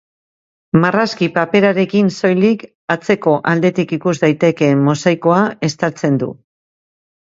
Marrazkia paperarekin, soilik atzeko aldetik ikus daitekeen mosaikoa estaltzen du.